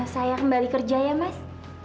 saya kembali kerja ya mas